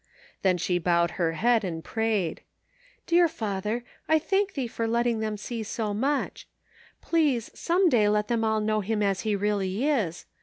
Then she bowed her head and pra3red :" Dear Father, I thank Thee for letting them see so much. Please, some day let them all know him as he really is.